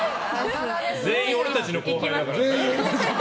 全員、俺たちの後輩だからね。